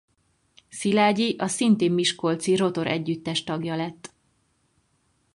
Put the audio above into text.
Szilágyi a szintén miskolci Rotor együttes tagja lett.